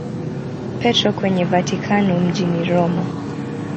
Petro kwenye Vatikano mjini Roma.